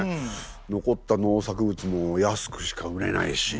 残った農作物も安くしか売れないし。